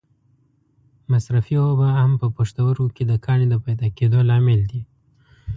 مصرفې اوبه هم په پښتورګو کې د کاڼې د پیدا کېدو لامل دي.